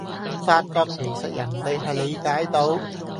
發覺其實人哋係理解到